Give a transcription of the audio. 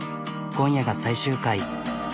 今夜が最終回。